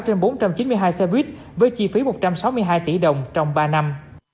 trên bốn trăm chín mươi hai xe buýt với chi phí một trăm sáu mươi hai tỷ đồng trong ba năm